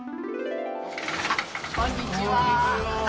こんにちは。